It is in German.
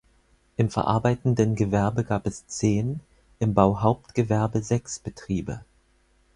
Im verarbeitenden Gewerbe gab es zehn, im Bauhauptgewerbe sechs Betriebe.